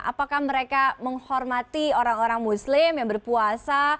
apakah mereka menghormati orang orang muslim yang berpuasa